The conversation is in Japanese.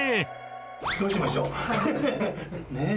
どうしましょう。ねぇ。